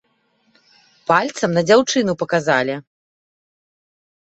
Пальцам на дзяўчыну паказалі.